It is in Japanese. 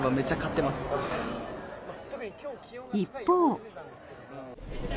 一方。